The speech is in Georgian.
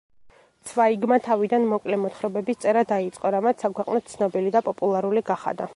ცვაიგმა თავიდან მოკლე მოთხრობების წერა დაიწყო, რამაც საქვეყნოდ ცნობილი და პოპულარული გახადა.